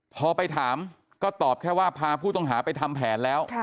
พอไปถามก็ตอบแค่ว่าพาผู้ต้องหาไปทำแผนแล้ว